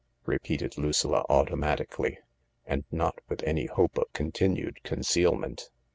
repeated Lucilla automatically, and not with any hope of continued concealment.